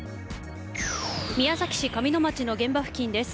宮崎市上野町の現場付近です。